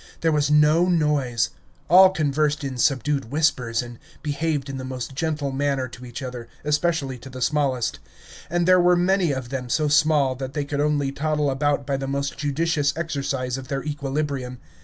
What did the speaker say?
There was no noise; all conversed in subdued whispers and behaved in the most gentle manner to each other, especially to the smallest, and there were many of them so small that they could only toddle about by the most judicious exercise of their equilibrium.